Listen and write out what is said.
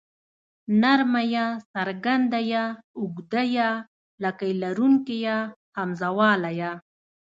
نرمه ی څرګنده ي اوږده ې لکۍ لرونکې ۍ همزه واله ئ